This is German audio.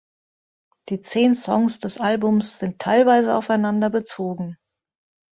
Die zehn Songs des Albums sind teilweise aufeinander bezogen.